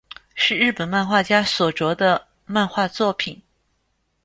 是日本漫画家所着的漫画作品。